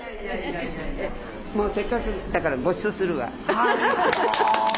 もうせっかくだからごちそうするわ。